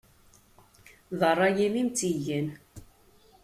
D ṛṛay-im i am-tt-igan.